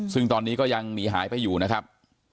ซึ่งตอนนี้ก็ยังหนีหายไปอยู่นะครับ